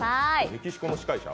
メキシコの司会者？